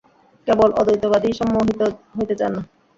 কেবল অদ্বৈতবাদীই সম্মোহিত হইতে চান না।